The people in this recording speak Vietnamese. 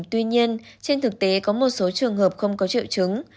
tuy nhiên trên thực tế có một số trường hợp không có triệu chứng